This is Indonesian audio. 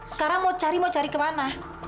sekarang mau cari mau cari kemana